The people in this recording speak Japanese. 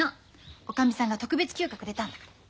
おかみさんが特別休暇くれたんだから。